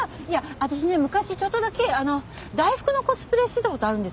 私ね昔ちょっとだけ大福のコスプレしてた事あるんですよ。